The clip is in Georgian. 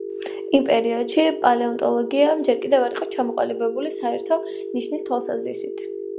იმ პერიოდში პალეონტოლოგია ჯერ კიდევ არ იყო ჩამოყალიბებული საერთო ნიშნის თვალსაზრისით.